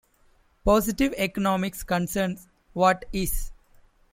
Positive economics concerns "what is".